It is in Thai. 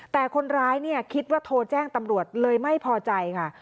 แต่คนร้ายเนี่ยคิดว่าโทรแจ้งตำรวจเลยไม่พอใจค่ะ